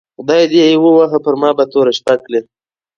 خدای دي ووهه پر ما به توره شپه کړې